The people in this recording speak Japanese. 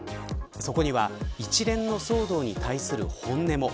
そこには一連の騒動に対する本音も。